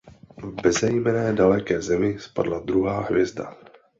V bezejmenné daleké zemi spadla druhá hvězda.